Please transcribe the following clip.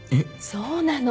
そうなの。